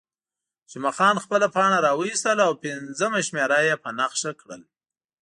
جمعه خان خپله پاڼه راویستل او پنځمه شمېره یې په نښه کړل.